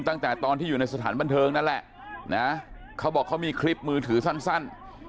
ตั้งแต่ตอนที่อยู่ในสถานบันเทิงนั่นแหละนะเขาบอกเขามีคลิปมือถือสั้น